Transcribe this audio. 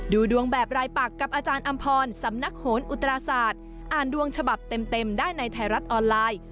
ดูดวงแบบรายปักกับอาจารย์อำพรสำนักโหนอุตราศาสตร์อ่านดวงฉบับเต็มได้ในไทยรัฐออนไลน์